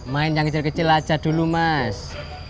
main yang kecil kecil aja dulu mas